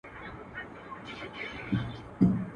د مسافر جانان کاغذه.